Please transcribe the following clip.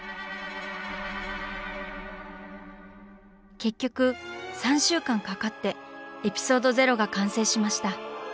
結局３週間かかって「エピソード０」が完成しました。